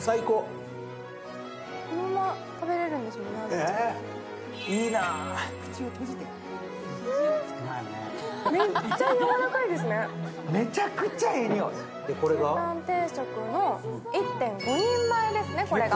牛たん定食の１．５人前ですね、これが。